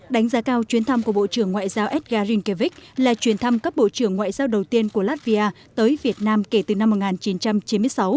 đánh giá cao chuyến thăm của bộ trưởng ngoại giao edgar rinkevich là chuyến thăm cấp bộ trưởng ngoại giao đầu tiên của latvia tới việt nam kể từ năm một nghìn chín trăm chín mươi sáu